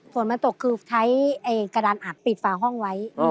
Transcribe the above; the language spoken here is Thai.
ฝนมันตกคือใช้กระดานอักปิดฝาห้องไว้